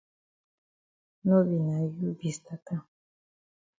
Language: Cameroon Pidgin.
No be na you be stat am.